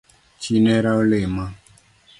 Chi nera olima